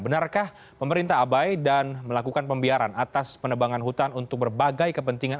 benarkah pemerintah abai dan melakukan pembiaran atas penebangan hutan untuk berbagai kepentingan